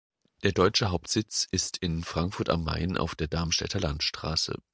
Der deutsche Hauptsitz ist in Frankfurt am Main auf der Darmstädter Landstraße.